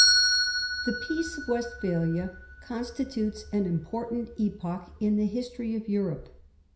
The Peace of Westphalia constitutes an important epoch in the history of Europe.